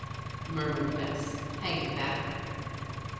murmured Bess, hanging back.